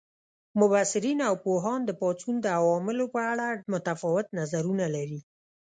مبصرین او پوهان د پاڅون د عواملو په اړه متفاوت نظرونه لري.